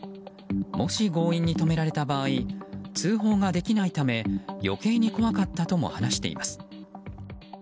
もし強引に止められた場合通報ができないため余計に怖かったとも話しています。